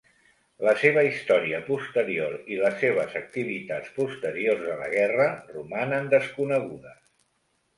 La seva història posterior i les seves activitats posteriors a la guerra romanen desconegudes.